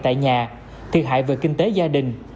tại nhà thiệt hại về kinh tế gia đình